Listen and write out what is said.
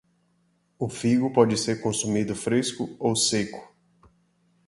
O figo pode ser consumido fresco ou seco.